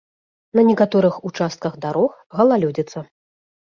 На некаторых участках дарог галалёдзіца.